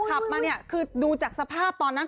ขับมาเนี่ยคือดูจากสภาพตอนนั้น